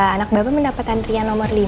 anak bapak mendapatkan rian nomor lima